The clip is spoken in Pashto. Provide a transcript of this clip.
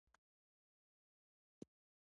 د طالبانو اداره ځینې خلکو ته د کار فرصتونه برابروي.